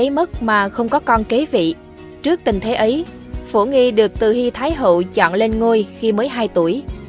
mất mà không có con kế vị trước tình thế ấy phổ nghi được từ hy thái hậu chọn lên ngôi khi mới hai tuổi